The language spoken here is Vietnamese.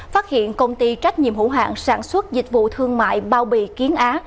phát hiện công ty trách nhiệm hữu hạng sản xuất dịch vụ thương mại bao bì kiến á